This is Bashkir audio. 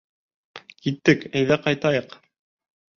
— Киттек, әйҙә ҡайтайыҡ.